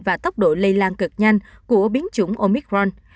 và tốc độ lây lan cực nhanh của biến chủng omicron